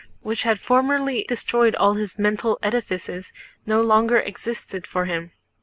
which had formerly destroyed all his mental edifices, no longer existed for him.